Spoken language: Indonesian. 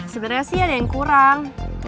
sebenarnya sih ada yang kurang